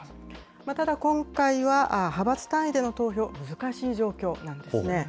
ただ今回は、派閥単位での投票、難しい状況なんですね。